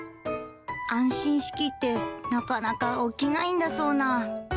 安心しきってなかなか起きないんだそうな。